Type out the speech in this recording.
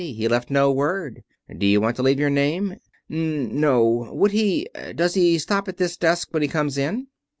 He left no word. Do you want to leave your name?" "N no. Would he does he stop at this desk when he comes in?"